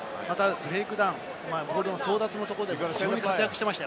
またブレイクダウン、ボール争奪のところで活躍していました